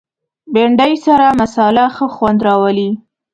بېنډۍ سره مصالحه ښه خوند راولي